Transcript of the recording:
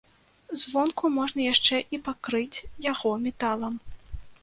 Звонку можна яшчэ і пакрыць яго металам.